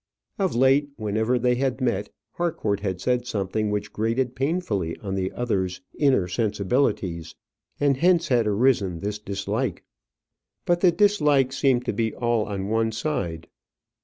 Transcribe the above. Of late whenever they had met, Harcourt had said something which grated painfully on the other's inner sensibilities, and hence had arisen this dislike. But the dislike seemed to be all on one side.